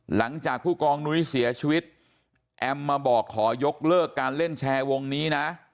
หลังจากผู้กองนุ้ยเสียชีวิตแอมมาบอกขอยกเลิกการเล่นแชร์วงนี้นะ